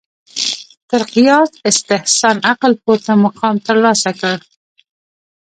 تر قیاس استحسان عقل پورته مقام ترلاسه کړ